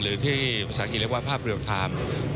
หรือที่ภาพเรียกว่าภาพเรียบทาง